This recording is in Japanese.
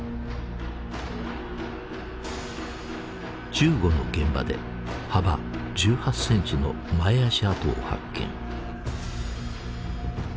１５の現場で幅１８センチの前足跡を発見。